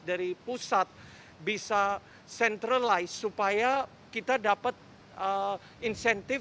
dari pusat bisa centralize supaya kita dapat insentif